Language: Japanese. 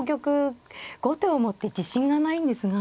後手を持って自信がないんですが。